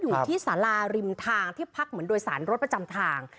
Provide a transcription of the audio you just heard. อยู่ที่สาราริมทางที่ภักดาลแบบแสนรถประจำทาง